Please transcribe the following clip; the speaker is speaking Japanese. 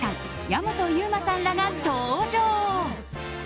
矢本悠馬さんらが登場。